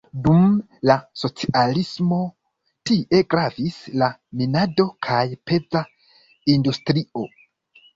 Dum la socialismo tie gravis la minado kaj peza industrio.